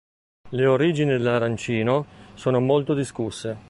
Le origini dell'arancino sono molto discusse.